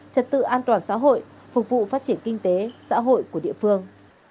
trật tự an toàn xã hội phục vụ phát triển kinh tế xã hội của địa phương